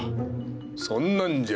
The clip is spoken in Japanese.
そんなんじゃ